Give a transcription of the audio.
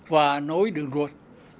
và nối đường ruột